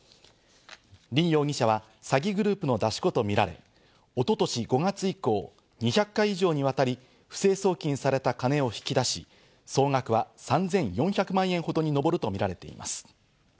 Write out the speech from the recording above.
リン容疑者は詐欺グループの出し子とみられ、一昨年５月以降、２００回以上にわたり不正送金された金を引き出し、総額は３４００万円ほどにのぼるとみられています。